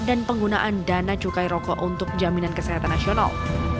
dan penggunaan dana cukai rokok untuk jaminan kesehatan nasional